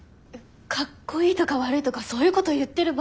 かっこいいとか悪いとかそういうこと言ってる場合？